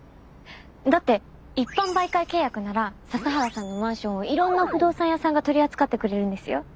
だって一般媒介契約なら笹原さんのマンションをいろんな不動産屋さんが取り扱ってくれるんですよ。